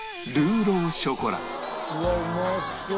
うわっうまそう！